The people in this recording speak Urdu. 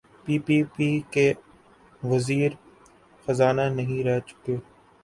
پی پی پی کے وزیر خزانہ نہیں رہ چکے؟